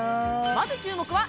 まず注目は